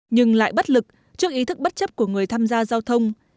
nhưng lại bất lực trước ý thức bất chấp của người tham gia giao thông